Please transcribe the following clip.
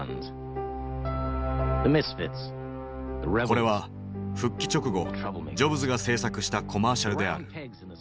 これは復帰直後ジョブズが制作したコマーシャルである。